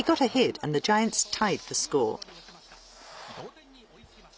同点に追いつきます。